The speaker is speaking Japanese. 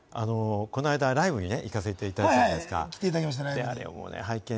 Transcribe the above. この間、ライブに行かせてもらったじゃないですか。